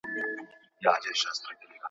د نوم نیمه سپوږمۍ د لید له مخې ورکړل شوی.